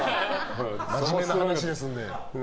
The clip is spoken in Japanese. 真面目な話ですので。